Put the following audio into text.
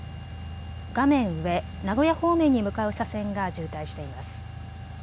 画面上、名古屋方面に向かう車線が渋滞しています。